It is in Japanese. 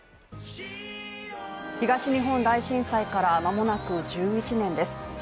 東日本大震災から間もなく１１年です。